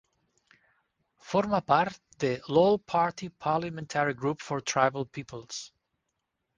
Forma part de l'All-Party Parliamentary Group for Tribal Peoples.